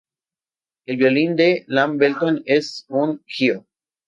El violín de Ian Belton es un Gio.